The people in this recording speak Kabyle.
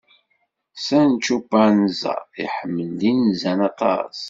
Sancu Panza iḥemmel inzan aṭas.